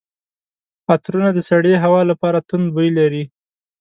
عطرونه د سړې هوا لپاره توند بوی لري.